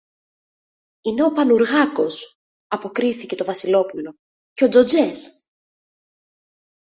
Είναι ο Πανουργάκος, αποκρίθηκε το Βασιλόπουλο, και ο Τζοτζές.